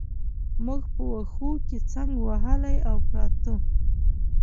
موږ په وښو کې څنګ وهلي او پراته.